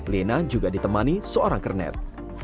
lena juga ditemani seorang kernet